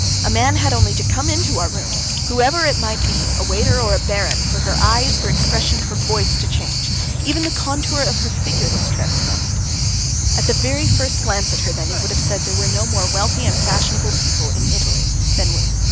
A man had only to come into our room whoever it might be, a waiter, or a baron for her eyes, her expression, her voice to change, even the contour of her figure was transformed. At the very first glance at her then, you would have said there were no more wealthy and fashionable people in Italy than we.